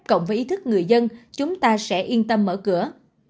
cộng với ý thức người dân chúng ta sẽ yên tâm mở cửa